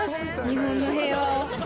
日本の平和を。